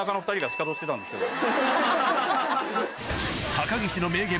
高岸の名言